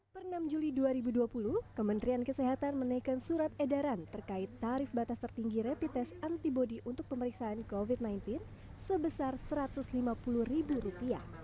per enam juli dua ribu dua puluh kementerian kesehatan menaikkan surat edaran terkait tarif batas tertinggi rapid test antibody untuk pemeriksaan covid sembilan belas sebesar rp satu ratus lima puluh